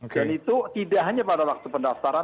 itu tidak hanya pada waktu pendaftaran